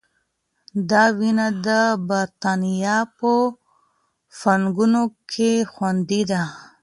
دا وینه د بریتانیا په بانکونو کې خوندي ده.